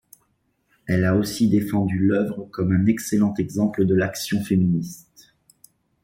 Elle a aussi défendu l'œuvre comme un excellent exemple de l'action féministe.